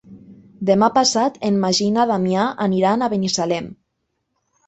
Demà passat en Magí i na Damià aniran a Binissalem.